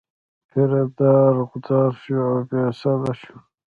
پیره دار غوځار شو او بې سده شو.